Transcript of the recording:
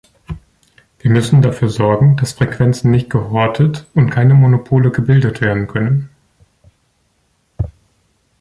Wir müssen dafür sorgen, dass Frequenzen nicht gehortet und keine Monopole gebildet werden können.